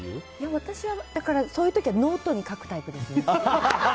私はそういう時はノートに書くタイプです。